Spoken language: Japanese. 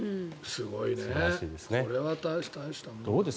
すごいねこれは大したもんだ。